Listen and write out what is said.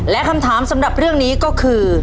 และคำถามสำหรับเรื่องนี้ก็คือ